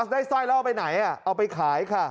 สร้อยแล้วเอาไปไหนเอาไปขายค่ะ